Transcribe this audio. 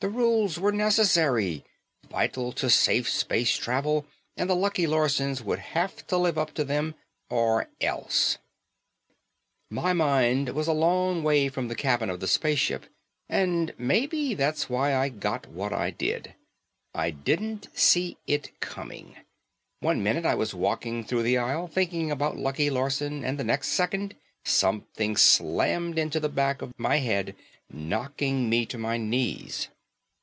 The rules were necessary, vital to safe space travel and the Lucky Larsons would have to live up to them, or else. My mind was a long way away from the cabin of the space ship and maybe that's why I got what I did. I didn't see it coming. One minute I was walking through the aisle, thinking about Lucky Larson and the next second something slammed into the back of my head knocking me to my knees.